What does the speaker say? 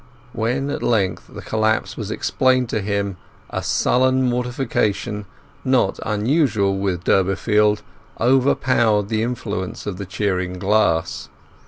When at length the collapse was explained to him, a sullen mortification, not usual with Durbeyfield, overpowered the influence of the cheering glass.